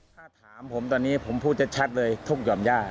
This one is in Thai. ถ้าถามผมตอนนี้ผมพูดชัดเลยทุ่งหย่อมย่า